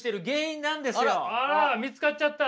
あら見つかっちゃった？